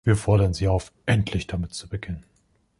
Wir fordern Sie auf, endlich damit zu beginnen.